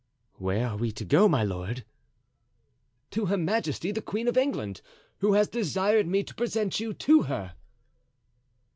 "Where are we to go, my lord?" "To Her Majesty the Queen of England, who has desired me to present you to her."